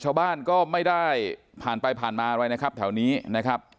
ชาวบ้านก็ไม่ได้ผ่านไปผ่านมาอะไรนะครับแถวนี้นะครับ